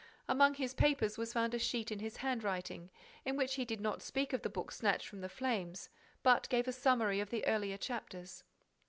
Among his papers was found a sheet in his handwriting, in which he did not speak of the book snatched from the flames, but gave a summary of the earlier chapters.